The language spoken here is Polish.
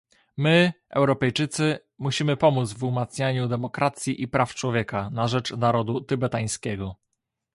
My, Europejczycy, musimy pomóc w umacnianiu demokracji i praw człowieka na rzecz narodu tybetańskiego